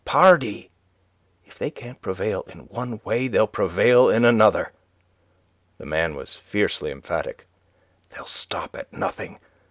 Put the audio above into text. Pardi! If they can't prevail in one way they'll prevail in another." The man was fiercely emphatic. "They'll stop at nothing.